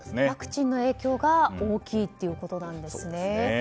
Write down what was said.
ワクチンの影響が大きいということなんですね。